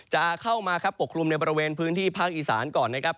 จะเข้ามาครับปกคลุมในบริเวณพื้นที่ภาคอีสานก่อนนะครับ